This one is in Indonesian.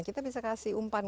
kita bisa kasih umpan